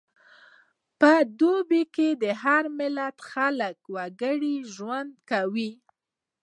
په دوبی کې د هر ملت خلک ګډ ژوند کوي.